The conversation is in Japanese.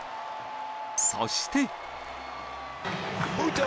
そして。